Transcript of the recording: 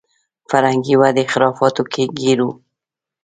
فرهنګي ودې خرافاتو کې ګیر و.